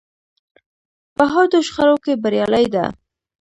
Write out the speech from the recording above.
په حادو شخړو کې بریالۍ ده.